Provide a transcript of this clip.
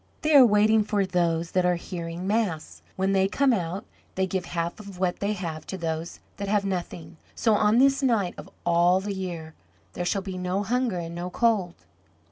"They are waiting for those that are hearing mass. When they come out, they give half of what they have to those that have nothing, so on this night of all the year there shall be no hunger and no cold."